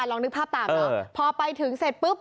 ลองนึกภาพตามเนอะพอไปถึงเสร็จปุ๊บ